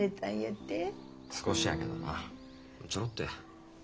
少しやけどなちょろっとや。